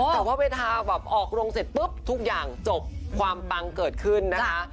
แต่ว่าเวลาแบบออกโรงเสร็จปุ๊บทุกอย่างจบความปังเกิดขึ้นนะคะ